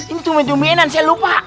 ini tumen tumenen saya lupa